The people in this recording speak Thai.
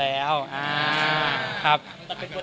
แต่สมัยนี้ไม่ใช่อย่างนั้น